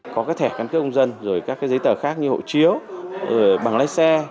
có cái thẻ căn cước công dân rồi các cái giấy tờ khác như hộ chiếu rồi bằng lái xe